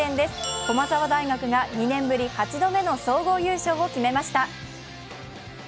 駒沢大学が２年ぶり、８度目の総合優勝を果たしました。